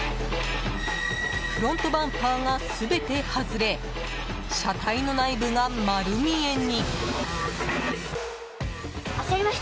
フロントバンパーが全て外れ車体の内部が丸見えに。